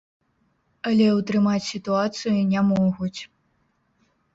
Але ўтрымаць сітуацыю не могуць.